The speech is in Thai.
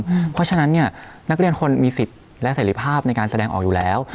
เพราะฉะนั้นเนี่ยนักเรียนคนมีสิทธิ์และเสร็จภาพในการแสดงออกอยู่แล้ว